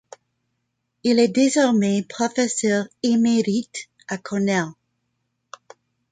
Il est désormais professeur émérite à Cornell.